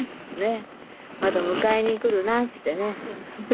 まだ迎えに来るなっつってね。